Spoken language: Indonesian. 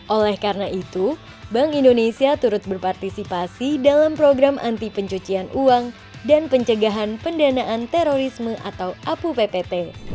oleh karena itu bank indonesia turut berpartisipasi dalam program anti pencucian uang dan pencegahan pendanaan terorisme atau apupt